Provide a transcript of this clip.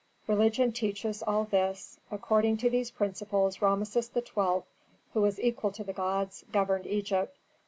"Religion teaches all this; according to these principles Rameses XII., who was equal to the gods, governed Egypt.